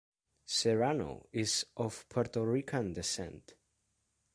Serrano is of Puerto Rican descent.